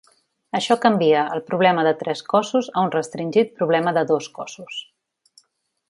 Això canvia el problema de tres cossos a un restringit problema de dos cossos.